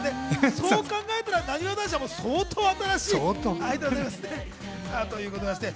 そう考えると、なにわ男子は相当、新しいアイドルですね。